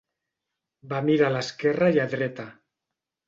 Va mirar a l'esquerra i a dreta.